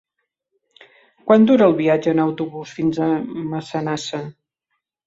Quant dura el viatge en autobús fins a Massanassa?